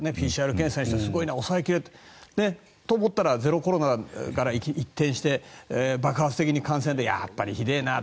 ＰＣＲ検査、すごいな抑えきれて、と思ったらゼロコロナから一転して爆発的な感染でやっぱりひどいなと。